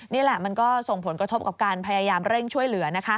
นี่แหละมันก็ส่งผลกระทบกับการพยายามเร่งช่วยเหลือ